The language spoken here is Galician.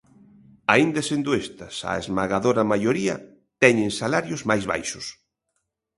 Aínda sendo estas a esmagadora maioría, teñen salarios máis baixos.